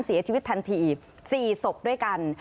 เสียชีวิตทันที๔ศพด้วยกัน